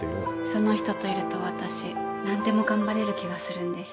その人といると私何でも頑張れる気がするんです。